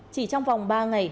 chỉ trong vòng ba ngày